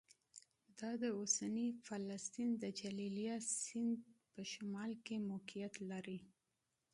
دا د اوسني فلسطین د جلیلیه سیند په شمال کې موقعیت لري